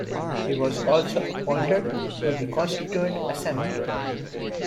He was also appointed to the Constituent Assembly.